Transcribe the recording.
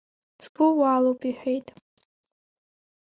Сгәы уалоуп, — иҳәеит.